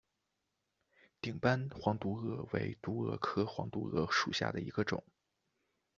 顶斑黄毒蛾为毒蛾科黄毒蛾属下的一个种。